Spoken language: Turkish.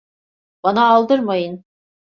Bana aldırmayın.